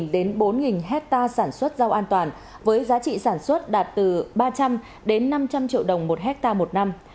đến bốn hectare sản xuất rau an toàn với giá trị sản xuất đạt từ ba trăm linh đến năm trăm linh triệu đồng một hectare một năm